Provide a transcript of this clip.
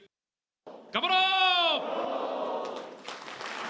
頑張ろう！